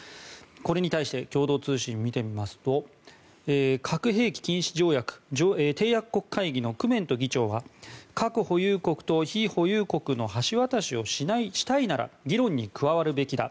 これに対して共同通信を見てみますと核兵器禁止条約、締約国会議のクメント議長は核保有国と非保有国の橋渡しをしたいなら議論に加わるべきだ。